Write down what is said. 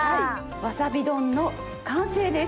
わさび丼の完成です。